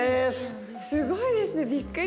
すごいですねびっくり。